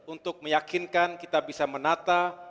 untuk meyakinkan kita bisa menata